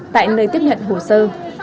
tại nơi tiếp nhận hồ sơ